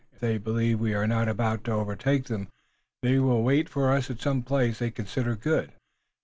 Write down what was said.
If they believe we are not about to overtake them they will wait for us at some place they consider good."